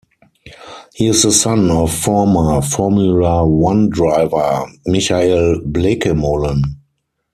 He is the son of former Formula One driver Michael Bleekemolen.